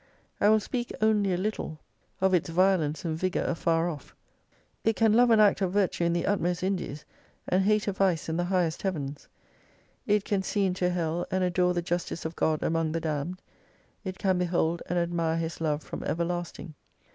I will speak only a little of its violence and 288 vigour afar off. It can love an act of virtue in the utmost Indies, and hate a vice in the highest heavens. It can see into hell and adore the justice of God among the damned ; it can behold and admire His Love from everlasting.